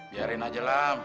biarin aja lah